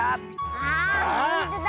あほんとだ。